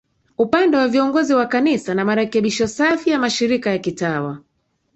upande wa viongozi wa Kanisa na marekebisho safi ya mashirika ya kitawa